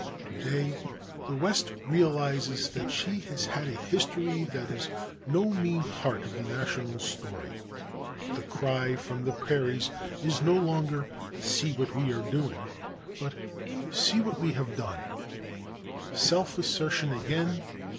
To day the West realizes that she has had a history that is no mean part of the national story. The cry from the prairies is no longer: "See what we are doing;" but, "See what we have done." Self assertion again!